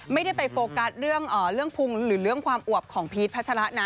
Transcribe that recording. ไม่ได้ไปโฟกัสเรื่องพุงหรือเรื่องความอวบของพีชพัชระนะ